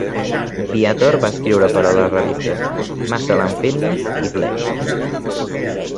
Viator va escriure per a les revistes "Muscle and Fitness" i "Flex".